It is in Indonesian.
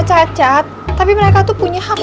cacat tapi mereka tuh punya hak